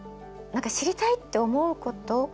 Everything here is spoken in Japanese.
何か知りたいって思うこと。